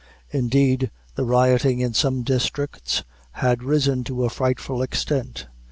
Indeed the rioting, in some districts, had risen to a frightful extent.